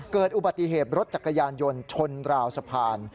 เกิดอุบัติเหตุรถจักรยานยนต์ชนราวสะพาน